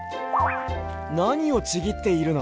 なにをちぎっているの？